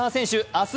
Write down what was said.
明日